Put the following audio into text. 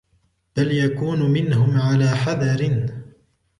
بَلْ يَكُونَ مِنْهُمْ عَلَى حَذَرٍ